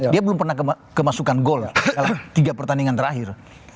dia belum pernah kemasukan gol dalam tiga pertandingan terakhir